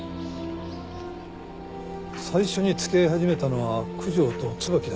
最初に付き合い始めたのは九条と椿だったんです。